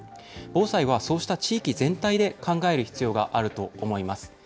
防災はそうした地域全体で考える必要があると思います。